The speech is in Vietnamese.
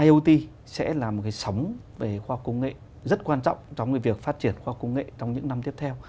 iot sẽ là một cái sóng về khoa học công nghệ rất quan trọng trong việc phát triển khoa học công nghệ trong những năm tiếp theo